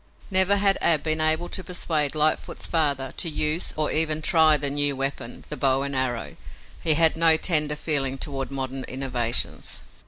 Never had Ab been able to persuade Lightfoot's father to use or even try the new weapon, the bow and arrow. He had no tender feeling toward modern innovations.